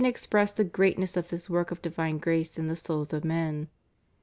express the greatness of this work of divine grace in the souls of men.